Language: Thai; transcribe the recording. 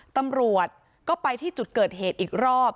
ตำรวจก็ไปที่จุดเกิดเหตุอีกรอบ